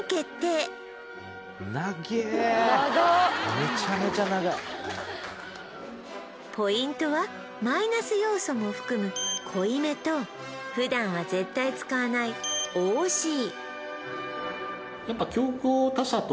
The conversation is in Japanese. メチャメチャ長いポイントはマイナス要素も含む「濃いめ」と普段は絶対使わない「雄々しい」